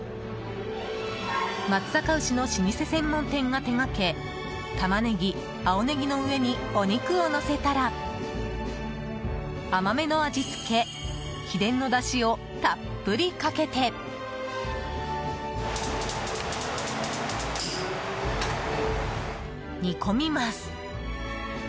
松阪牛の老舗専門店が手がけタマネギ、青ネギの上にお肉をのせたら甘めの味付け、秘伝のだしをたっぷりかけて煮込みます。